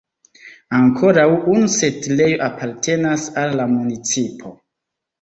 Ankoraŭ unu setlejo apartenas al la municipo.